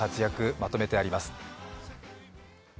まとめてあります。